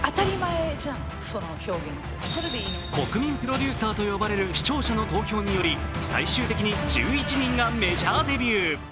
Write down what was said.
国民プロデューサーと呼ばれる視聴者の投票により最終的に１１人がメジャーデビュー。